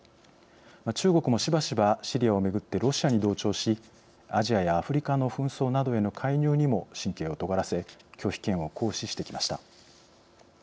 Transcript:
中国もしばしばシリアをめぐってロシアに同調しアジアやアフリカの紛争などへの介入にも神経をとがらせ拒否権を行使してきました。